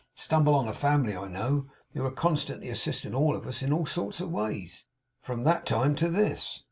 Stumble on a family I know, who are constantly assisting of us in all sorts of ways, from that time to this!